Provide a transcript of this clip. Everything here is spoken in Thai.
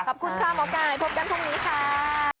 ขอบคุณค่ะหมอไก่พบกันพรุ่งนี้ค่ะ